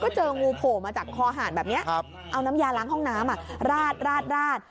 เจองูโผล่มาจากคอหารแบบนี้เอาน้ำยาล้างห้องน้ำราด